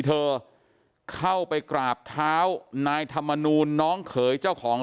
เธอเข้าไปกราบเท้านายธรรมนูลน้องเขยเจ้าของ